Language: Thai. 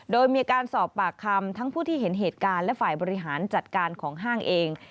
โดยมีการสอบปากคำทั้งผู้ที่เห็นเหตุการณ์และฝ่ายบริหารจัดการของห้างเอง